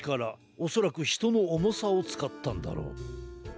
おそらくひとのおもさをつかったんだろう。